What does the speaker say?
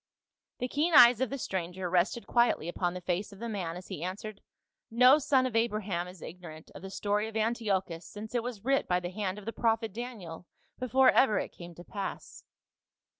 The keen eyes of the stranger rested quietly upon the face of the man as he answered, " No son of Abra ham is ignorant of the story of Antiochus since it was writ by the hand of the prophet Daniel before ever it came to pass."